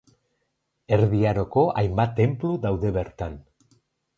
Erdi Aroko hainbat tenplu daude bertan.